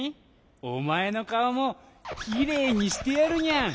おまえのかおもきれいにしてやるにゃん。